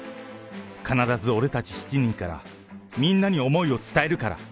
必ず俺たち７人からみんなに思いを伝えるから！